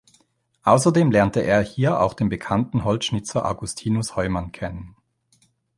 Außerdem lernte er hier auch den bekannten Holzschnitzer Augustinus Heumann kennen.